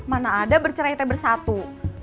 mana ada bercerai teh bersatu